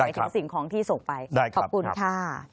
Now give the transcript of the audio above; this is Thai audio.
ได้ครับสิ่งของที่ส่งไปได้ครับขอบคุณค่ะ